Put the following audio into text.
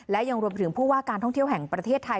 และยังรวมถึงผู้ว่าการท่องเที่ยวแห่งประเทศไทย